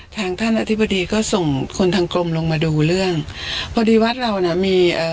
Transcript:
ทางท่านอธิบดีก็ส่งคนทางกรมลงมาดูเรื่องพอดีวัดเราน่ะมีเอ่อ